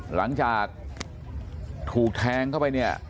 หลังจากถูกแทงเข้าไปเนี่ย